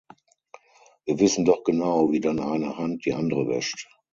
Wir wissen doch genau, wie dann eine Hand die andere wäscht.